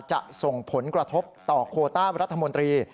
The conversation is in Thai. จะส่งผลกระทบต่อโคต้ารัฐมนตรี